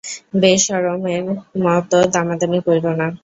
বেশরম এর মত দামাদামি কইরো না?